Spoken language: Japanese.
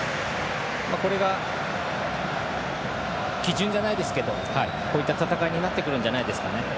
これが基準じゃないですけどこういった戦いになってくるんじゃないですかね。